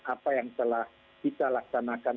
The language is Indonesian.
apa yang telah kita laksanakan